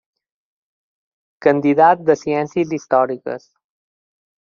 Candidat de Ciències Històriques.